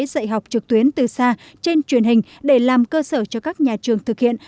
dạy học trực tuyến từ xa trên truyền hình để làm cơ sở cho các nhà trường thực hiện